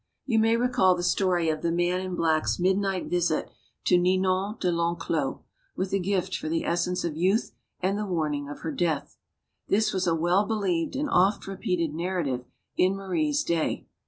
You may recall the story of the "Man in Black's" midnight visit to Ninon de 1'Enclos, with a gift to the essence of youth and the warning of her death? This was a well believed and oft repeated narrative in Marie's day.